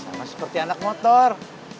sama seperti anak motor